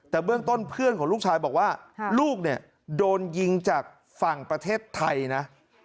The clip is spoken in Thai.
แต่เบื้องต้นเพื่อนของลูกชายบอกว่าลูกเนี่ยโดนยิงจากฝั่งประเทศไทยนะ